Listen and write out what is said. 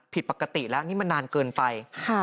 ผิดปกติแล้วนี่มันนานเกินไป